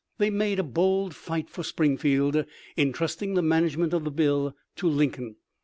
They made a bold fight for Springfield, intrusting the management of the bill to Lincoln.